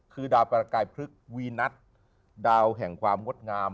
คือดาวประกายพฤกษ์วีนัทดาวแห่งความงดงาม